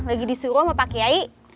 lagi disuruh sama pak kiai